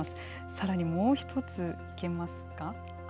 さらにもう１つ行けますか。